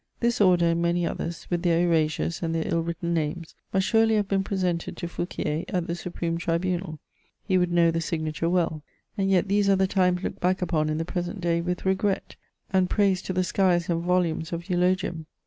This order, and many others, with their erasures, and their ill written names, must surely have been presented to Fouquier, 'at the Supreme Tribunal ; he would know the signature well. And yet these are the times looked back upon in the present day with regret, and praised to the skies in volumes of euloginm